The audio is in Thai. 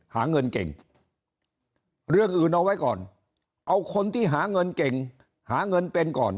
หาเงินเก่งเรื่องอื่นเอาไว้ก่อนเอาคนที่หาเงินเก่งหาเงินเป็นก่อน